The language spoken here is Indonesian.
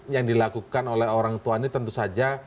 yang dilakukan oleh orang tuanya tentu saja